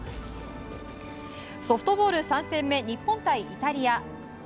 ソフトボール３戦目日本対イタリア。